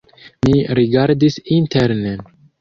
Mi rigardis internen.